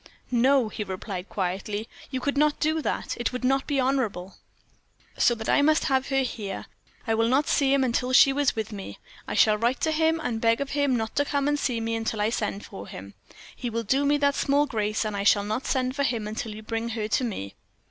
"No," he replied, quietly, "you could not do that; it would not be honorable." "So that I must have her here. I will not see him until she is with me. I shall write to him, and beg of him not to come and see me until I send for him. He will do me that small grace, and I shall not send for him until you bring her to me."